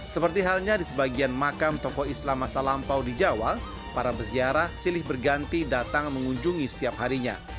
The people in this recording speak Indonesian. seperti halnya di sebagian makam tokoh islam masa lampau di jawa para berziarah silih berganti datang mengunjungi setiap harinya